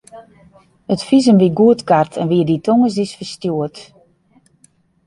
It fisum wie goedkard en wie dy tongersdeis ferstjoerd.